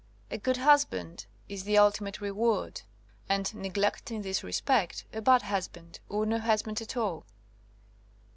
A good husband is the ultimate reward, and neglect in this respect a bad husband or no husband at all.